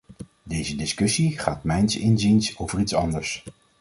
Deze discussie gaat mijns inziens over iets anders.